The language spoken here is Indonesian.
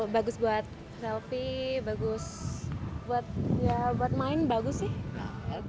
bagus buat selfie bagus buat main bagus sih